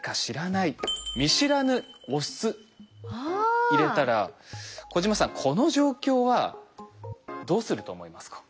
見知らぬオス入れたら小島さんこの状況はどうすると思いますか？